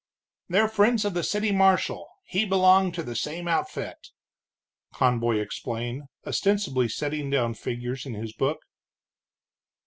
"They're friends of the city marshal; he belonged to the same outfit," Conboy explained, ostensibly setting down figures in his book.